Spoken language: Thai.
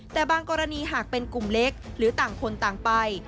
แต่บางกรณีหากเป็นกลุ่มเล็กหรือต่างคนต่างไป